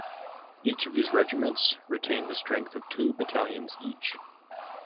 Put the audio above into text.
Each of these regiments retained the strength of two battalions each.